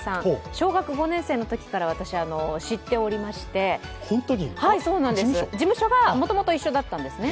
小学５年生のときから知っておりまして事務所がもともと一緒だったんですね。